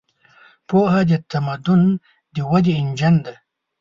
پوهه د تمدن د ودې انجن دی.